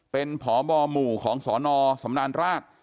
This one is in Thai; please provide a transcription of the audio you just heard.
เป็นพบหมู่ของสนสำราญราช